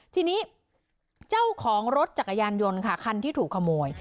ทีนี้เจ้าของรถจักรยานยนต์ค่ะคันที่ถูกขโมย